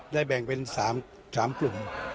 ได้แบ่งเป็น๓๓กลุ่ม